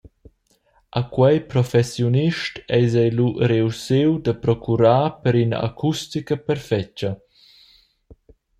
A quei professiunist eis ei lu reussiu da procurar per ina acustica perfetga.